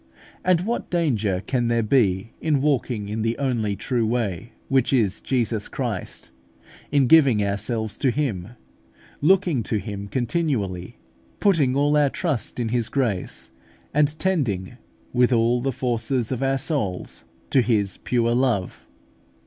And what danger can there be in walking in the only true way, which is Jesus Christ, in giving ourselves to Him, looking to Him continually, putting all our trust in His grace, and tending, with all the forces of our souls, to His pure love?